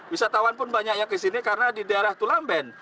wisatawan pun banyak yang kesini karena di daerah tulamben